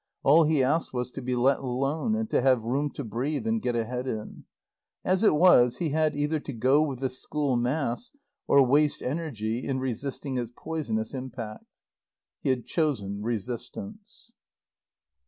All he asked was to be let alone, and to have room to breathe and get ahead in. As it was, he had either to go with the school mass, or waste energy in resisting its poisonous impact. He had chosen resistance.